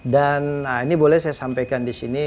ini boleh saya sampaikan di sini